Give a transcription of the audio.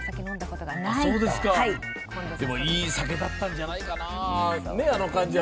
そうなんだ、でもいい酒だったんじゃないかな。